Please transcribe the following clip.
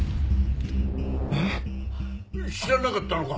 えっ⁉知らなかったのか？